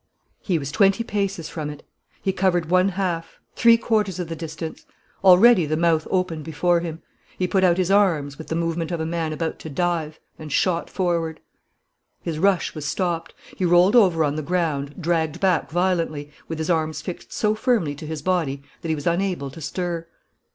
He was twenty paces from it. He covered one half, three quarters of the distance. Already the mouth opened before him. He put out his arms, with the movement of a man about to dive, and shot forward. His rush was stopped. He rolled over on the ground, dragged back violently, with his arms fixed so firmly to his body that he was unable to stir.